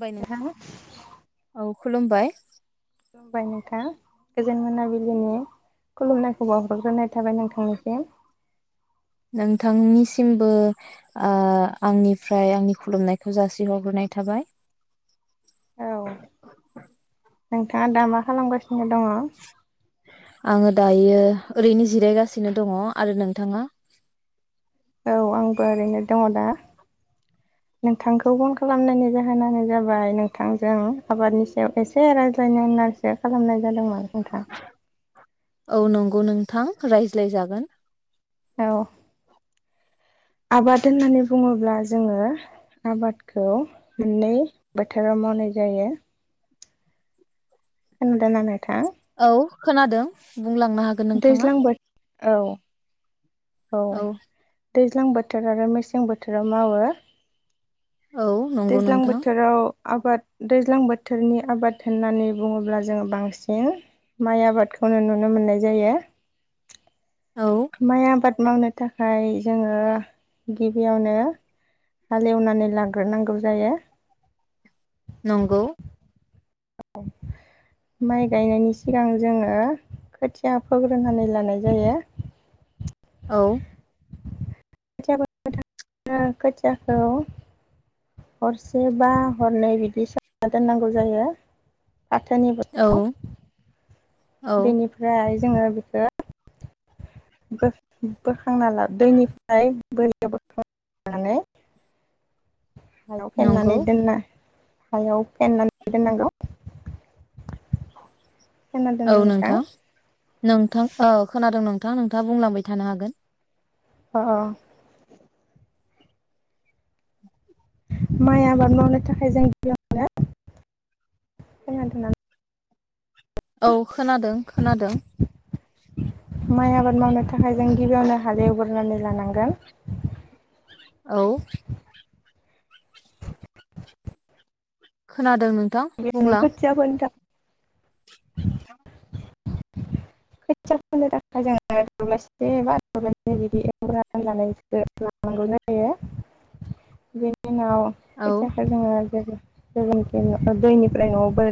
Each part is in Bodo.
बाय नों औ खुलुमबाय। खुलुमबाय नोंथां गोजोन मोनाबिलिनि खुलुमनायखौ बावहरग्रोनाय थाबाय नोंथांनिसिम। नोंथांनिसिमबो ओ आंनिफ्राय आंनि खुलुमनायखौ जासिहरग्रोनाय थाबाय। औ नोंथाङा दा मा खालामगासिन दङ। आङो दायो ओरैनो जिरायगासिनो दङ आरो नोंथाङा। औ आंबो ओरैनो दङ दा नोंथांखौ फन खालामनायनि जाहोनानो जाबाय नोंथांजों आबादनि सायाव एसे रायज्लायनो होननानैसो खालामनाय जादोंमोन। नोंथा। औ नंगौ नोंथां रायज्लायजागोन। औ आबाद होननानै बुङोब्ला जोङो आबादखौ मोननै बोथोराव मावनाय जायो। खोनादों [unintelligible] औ। खोनादों। बुंलांनो हागोन नोंथाङा। दैज्लां बोथोर औ। औ। दैज्लां बोथोर आरो मेसें बोथोराव मावो। औ नंगौ दैज्लां नोंथां बोथोराव आबाद दैज्लां बोथोरनि आबाद होननानै बुङोब्ला जोंङो बांसिन माइ आबादखौनो नुनो मोननाय जायो। औ माइ आबाद। मावनो थाखाय जोङो गिबियावनो हालेवनानै ला ग्रोनांगौ जायो। नंगौ। माइ गायनायनि सिगां जोङो खोथिया फोग्रोनानै लानाय जायो। औ। खोथिया फोनो थाखाय खोथियाखौ हरसे बा हरनै बिदि सोमना दोननांगौ जायो। फाथोनि औ बसथायाव। औ बेनिफ्राय जोङो बेखौ बोखांना ला दैनिफ्राय बोरियाव बोखांना हायाव नंगौ फेनानै दोनना। हायाव फेनानै दोननांगौ। खोनादों नोंथां? नोंथां ओ खोनादों नोंथां नोंथाङा बुंलांबाय थानो हागोन। अ। माइ आबाद मावनो थाखाय जों गिबियावनो औ खोनादों खोनादों माइ आबाद मावनो थाखाय जों गिबियावनो हाल एवग्रोनानै लानांगोन। औ खोनादों नों बिदिनो खोथिया फोनो थाखाय खोथिया फोनो थाखाय जोङो दबलाइसे एबा दबलाइनै बिदि एवनानै लानाय लानांगौ जायो बे जोंनाव औ खोथियाखौ जोङो जेरै फोगोन खिनियाव दैनिफ्राय नआव बोर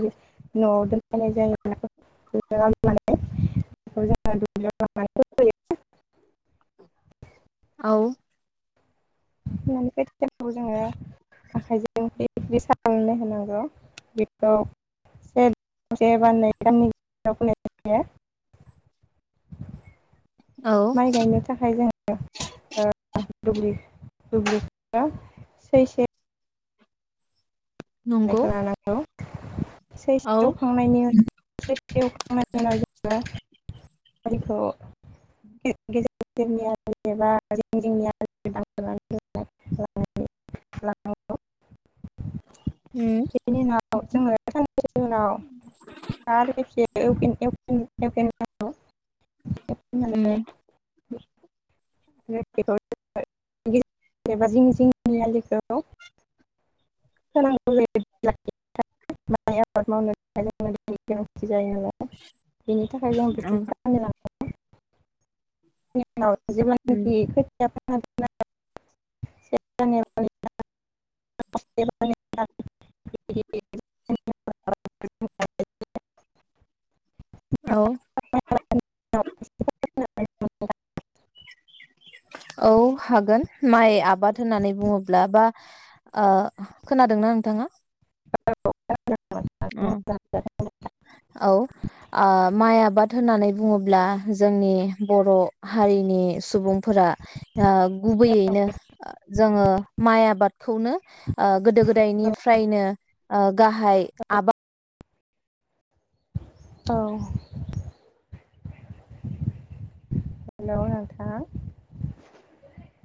नआव दोनफैनाय जायोब्लाबो बेखौ दुब्लिया लांनानै फोहैनाय जायो जोङो औ [unintelligible] औ माइ गायनो थाखाय जों ओ दुब्लि दुब्लि ओ सैसे नंगौ बेखौ लानांगौ [inaudible] सैस औ दखांनायनि उनाव [unintelligible] [unintelligible] उम बिनि ना औ जोङो [unintelligible] [unintelligible] उम [unintelligible] [unintelligible] [unintelligible] [unintelligible] [unintelligible] उम [inaudible] [unintelligible] औ उम जेब्लानोखि खोथिया फोनो [unintelligible] औ [unintelligible] औ हागोन माइ आबाद होननानै बुङोब्ला बा ओ खोनादोंना नोंथाङा ओ ओ औ ओ अ औ आ माइ आबाद होननानै बुङोब्ला जोंनि बर' हारिनि सुबुंफोरा ओ गुबैयैनो ओ जोङो माइ आबादखौनो ओ गोदो गोदायनिफ्रायनो ओ गाहाइ आबा औ हेलौ नोंथाङा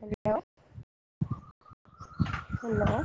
हेलौ हेलौ